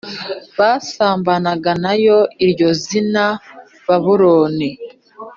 basambanaga na yo Iryo zina Babuloni